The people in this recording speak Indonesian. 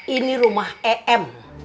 ini rumah em